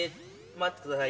待ってください。